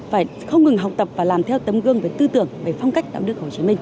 phải không ngừng học tập và làm theo tấm gương về tư tưởng về phong cách đạo đức hồ chí minh